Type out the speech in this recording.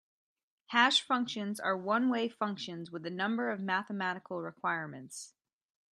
Hash functions are one-way functions with a number of mathematical requirements.